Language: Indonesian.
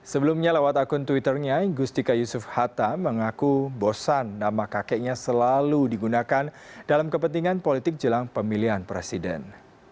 sebelumnya lewat akun twitternya gustika yusuf hatta mengaku bosan nama kakeknya selalu digunakan dalam kepentingan politik jelang pemilihan presiden